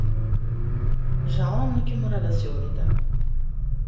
Жалам но ќе мора да си одите.